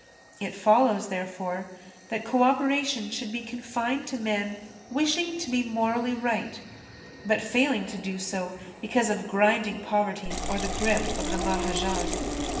It follows, therefore, that co operation should be confined to men wishing to be morally right, but failing to do so, because of grinding poverty or of the grip of the Mahajan.